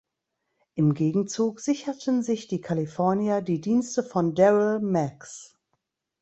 Im Gegenzug sicherten sich die Kalifornier die Dienste von Darryl Maggs.